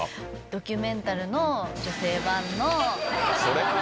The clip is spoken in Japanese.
『ドキュメンタル』の女性版の。それ？